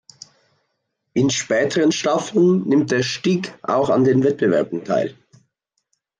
In späteren Staffeln nimmt der Stig auch an den Wettbewerben teil.